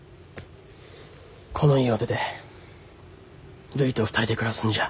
この家を出てるいと２人で暮らすんじゃ。